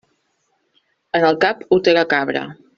En el cap ho té la cabra.